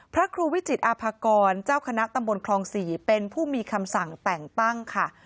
พระครูวิจิตอาภากรเจ้าคณะตำบลคลอง๔เป็นผู้มีคำสั่งแต่งตั้งค่ะ